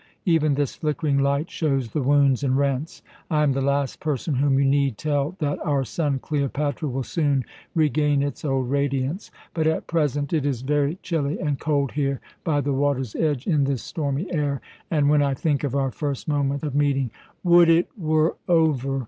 Even this flickering light shows the wounds and rents. I am the last person whom you need tell that our sun Cleopatra will soon regain its old radiance, but at present it is very chilly and cold here by the water's edge in this stormy air; and when I think of our first moment of meeting " "Would it were over!"